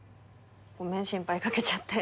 ごめん心配かけちゃって。